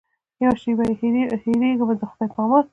یوه شېبه یمه هېرېږمه د خدای په امان.